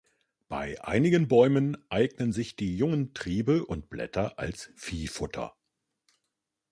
Bei einigen Bäumen eignen sich die jungen Triebe und Blätter als Viehfutter.